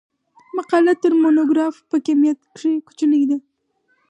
مقاله تر مونوګراف په کمیت کښي کوچنۍ ده.